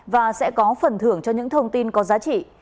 và sẽ có phần thưởng cho những thông tin có giá trị